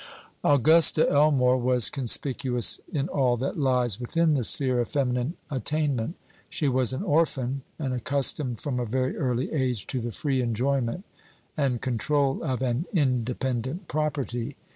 Augusta Elmore was conspicuous in all that lies within the sphere of feminine attainment. She was an orphan, and accustomed from a very early age to the free enjoyment and control of an independent property.